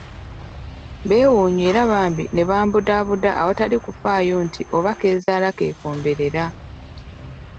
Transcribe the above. Beewuunya era bambi ne bambudaabuda awatali kufaayo nti oba k'ezaala k'ekomberera.